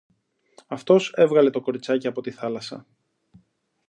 Αυτός έβγαλε το κοριτσάκι από τη θάλασσα.